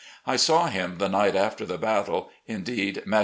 I saw him the night after the battle — ^indeed, met him ♦J.